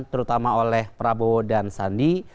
terutama oleh prabowo dan sandi